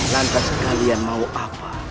lantas kalian mau apa